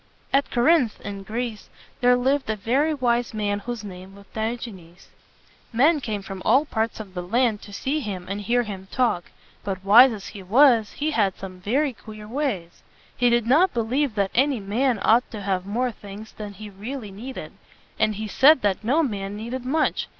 At Cor inth, in Greece, there lived a very wise man whose name was Di og´e nes. Men came from all parts of the land to see him and hear him talk. But wise as he was, he had some very queer ways. He did not believe that any man ought to have more things than he re al ly needed; and he said that no man needed much.